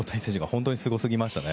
本当にすごすぎましたね。